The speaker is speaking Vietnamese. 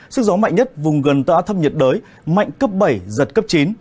sức gió mạnh nhất vùng gần tâm áp thấp nhiệt đới mạnh cấp bảy giật cấp chín